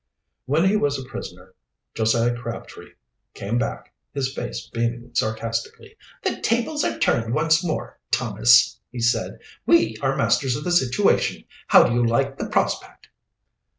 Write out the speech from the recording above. When he was a prisoner Josiah Crabtree came back, his face beaming sarcastically. "The tables are turned once more, Thomas," he said. "We are masters of the situation. How do you like the prospect?"